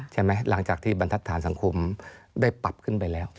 หลังจากที่บรรทัศนสังคมได้ปรับขึ้นไปแล้ว